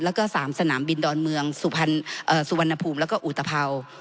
แล้วก็๓สนามบินดอนเมืองสุวรรณภูมิแล้วก็อุตภัวร์